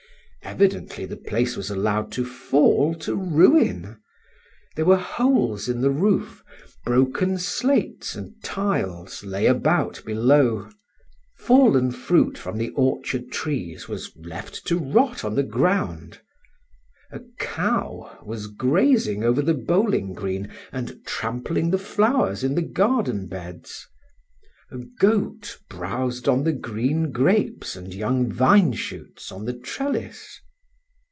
Evidently the place was allowed to fall to ruin; there were holes in the roof, broken slates and tiles lay about below. Fallen fruit from the orchard trees was left to rot on the ground; a cow was grazing over the bowling green and trampling the flowers in the garden beds; a goat browsed on the green grapes and young vine shoots on the trellis.